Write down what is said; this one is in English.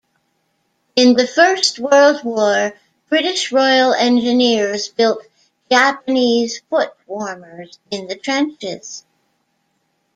In the First World War, British Royal Engineers built 'Japanese footwarmers' in the trenches.